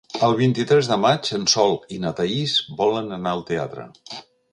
El vint-i-tres de maig en Sol i na Thaís volen anar al teatre.